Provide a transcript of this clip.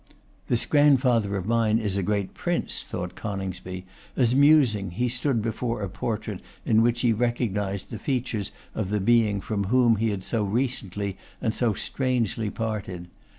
'This grandfather of mine is a great prince,' thought Coningsby, as musing he stood before a portrait in which he recognised the features of the being from whom he had so recently and so strangely parted.